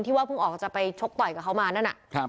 ว่าเพิ่งออกจะไปชกต่อยกับเขามานั่น